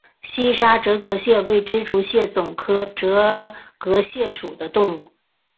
西沙折额蟹为蜘蛛蟹总科折额蟹属的动物。